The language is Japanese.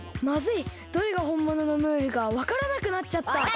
まずいどれがほんもののムールかわからなくなっちゃった。